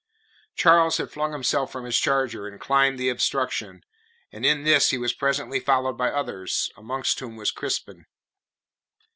Charles had flung himself from his charger and climbed the obstruction, and in this he was presently followed by others, amongst whom was Crispin.